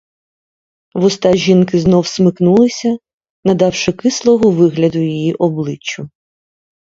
Вуста жінки знову смикнулися, надавши кислого вигляду її обличчю.